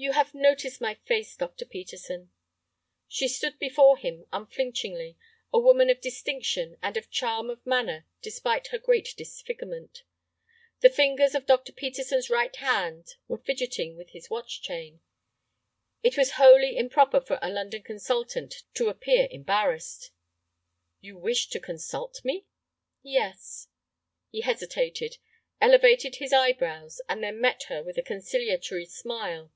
"You have noticed my face, Dr. Peterson?" She stood before him unflinchingly, a woman of distinction and of charm of manner despite her great disfigurement. The fingers of Dr. Peterson's right hand were fidgeting with his watch chain. It was wholly improper for a London consultant to appear embarrassed. "You wish to consult me?" "Yes." He hesitated, elevated his eyebrows, and then met her with a conciliatory smile.